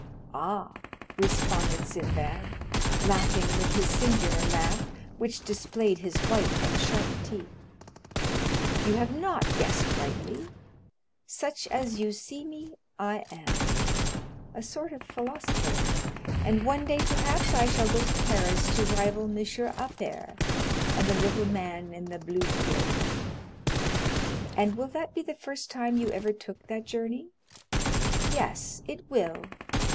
"Ah!" responded Sinbad, laughing with his singular laugh, which displayed his white and sharp teeth. "You have not guessed rightly. Such as you see me I am, a sort of philosopher, and one day perhaps I shall go to Paris to rival Monsieur Appert, and the man in the little blue cloak." "And will that be the first time you ever took that journey?" "Yes; it will.